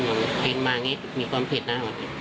เหมือนกินมาอย่างงี้มีความผิดนะ